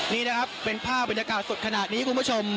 นี่นะครับเป็นภาพบรรยากาศสดขนาดนี้คุณผู้ชม